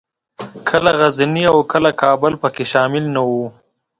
کله غزني او کابل پکښې شامل نه وو.